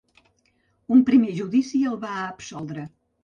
Un primer judici el va absoldre.